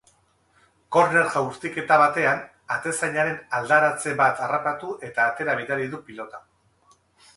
Korner jaurtiketa batean, atezainaren aldaratze bat harrapatu eta atera bidali du pilota.